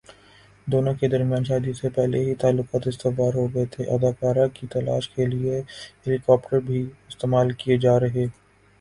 دونوں کے درمیان شادی سے قبل ہی تعلقات استوار ہوگئے تھےاداکارہ کی تلاش کے لیے ہیلی کاپٹرز بھی استعمال کیے جا رہے